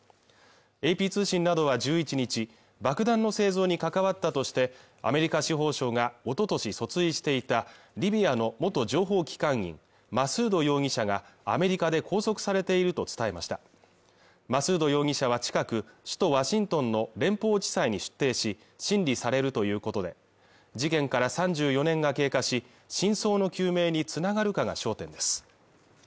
ＡＰ通信などは１１日爆弾の製造に関わったとしてアメリカ司法省がおととし訴追していたリビアの元情報機関員マスード容疑者がアメリカで拘束されていると伝えましたマスード容疑者は近く首都ワシントンの連邦地裁に出廷し審理されるということで事件から３４年が経過し真相の究明につながるかが焦点です